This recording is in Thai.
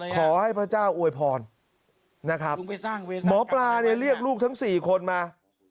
ขอให้พระเจ้าโอยพรนะครับมำหมอปลาเรียกลูกทั้ง๔คนมา